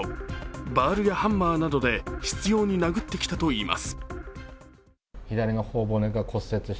バールやハンマーなどで執ように殴ってきたといいます。